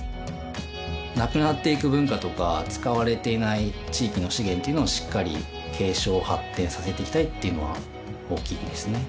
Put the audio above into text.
なくなっていく文化とか使われていない地域の資源っていうのをしっかり継承発展させていきたいっていうのは大きいですね